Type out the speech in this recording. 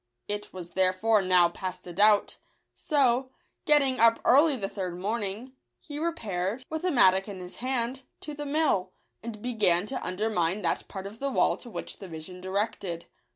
It was therefore now past a doubt : so, getting up early the third morning, he repaired, with a mattock in his hand, to the mill, and be gan to undermine that part of the wall to which the vision directed.